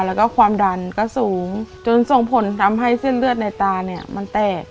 แล้วก็ความดันก็สูงจนส่งผลทำให้เส้นเลือดในตาเนี่ยมันแตก